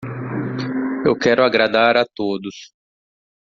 Eu quero agradar a todos.